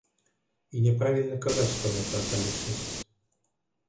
І няправільна казаць, што гэта акалічнасць.